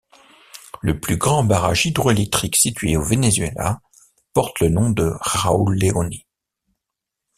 Le plus grand barrage hydro-électrique situé au Vénézuela porte le nom de Raoul Léoni.